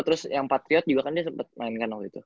terus yang patriot juga kan dia sempet mainkan waktu itu